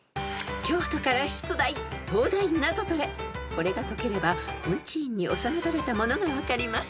［これが解ければ金地院に納められたものが分かります］